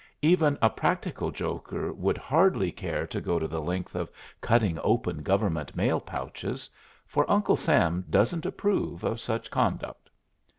Even a practical joker would hardly care to go to the length of cutting open government mail pouches; for Uncle Sam doesn't approve of such conduct.